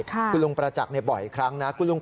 พระขู่คนที่เข้าไปคุยกับพระรูปนี้